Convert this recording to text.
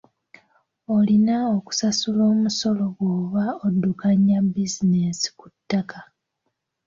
Olina okusasula omusolo bw'oba oddukanya bizinensi ku ttaka.